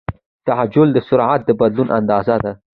تعجیل د سرعت د بدلون اندازه ده.